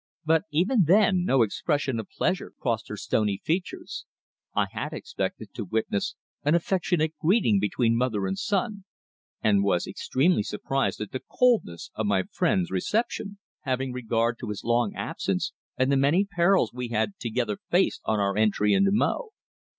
But even then no expression of pleasure crossed her stony features. I had expected to witness an affectionate meeting between mother and son, and was extremely surprised at the coldness of my friend's reception, having regard to his long absence and the many perils we had together faced on our entry into Mo.